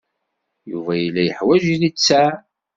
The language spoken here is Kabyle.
Yuba yella yeḥwaj littseɛ.